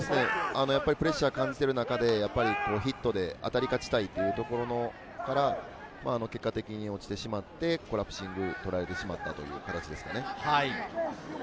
プレッシャーを感じている中で、ヒットで当たり勝ちたいというところから、結果的に落ちてしまって、コラプシングを取られてしまったという形ですかね。